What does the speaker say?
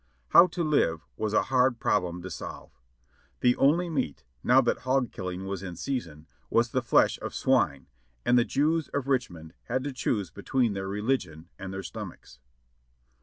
"How to live" was a hard problem to solve. The only meat, now that hog killing was in season, was the flesh cf swine, and the Jews of Richmond had to choose between their religion and their stomachs.